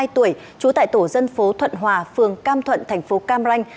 bốn mươi hai tuổi trú tại tổ dân phố thuận hòa phường cam thuận thành phố cam ranh